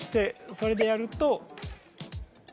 それでやると。